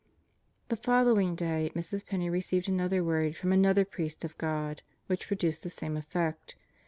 The following day Mrs. Penney received another word from another priest of God which produced the same effect.